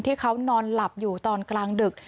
ที่เขานอนหลับอยู่ตอนกลางดึก